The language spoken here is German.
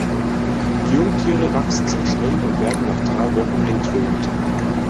Die Jungtiere wachsen sehr schnell und werden nach drei Wochen entwöhnt.